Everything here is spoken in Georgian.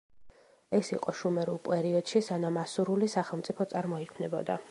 ეს იყო შუმერულ პერიოდში, სანამ ასურული სახელმწიფო წარმოიქმნებოდა.